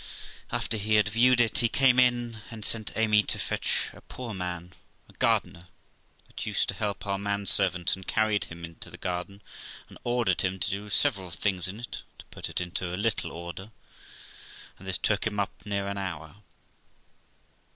After he had viewed it, he came in, and sent Amy to fetch a poor man, a gardener,; that used to help our man servant, and carried him into the garden, and ordered him to do several things in it, to put it into a little order; and this took him up near an hour.